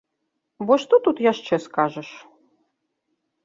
Бо што тут яшчэ скажаш?